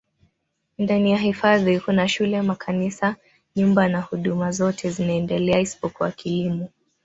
ndani ya hifadhi Kuna shule makanisa nyumba na huduma zote zinaendelea isipokuwa kilimo